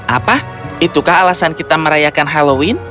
apa itukah alasan kita merayakan halloween